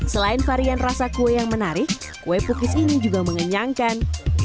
selain varian rasa kue yang menarik kue pukis ini juga mengenyangkan